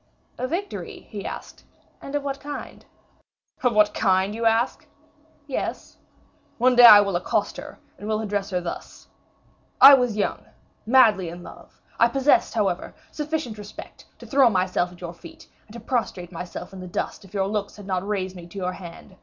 "A victory," he asked, "and of what kind?" "Of what kind, you ask?" "Yes." "One day I will accost her, and will address her thus: 'I was young madly in love, I possessed, however, sufficient respect to throw myself at your feet, and to prostrate myself in the dust, if your looks had not raised me to your hand.